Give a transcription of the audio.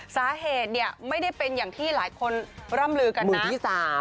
สาเหตุเนี่ยไม่ได้เป็นอย่างที่หลายคนร่ำลือกันนะ